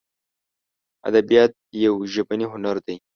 ادبیات یو ژبنی هنر دی.